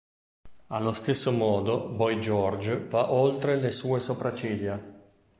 Allo stesso modo, Boy George va oltre le sue sopracciglia!